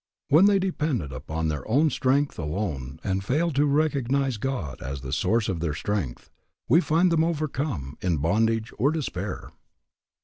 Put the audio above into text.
When they depended upon their own strength alone and failed to recognize God as the source of their strength, we find them overcome, in bondage, or despair.